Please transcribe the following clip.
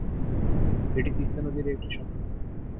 এটি তিস্তা নদীর একটি শাখানদী।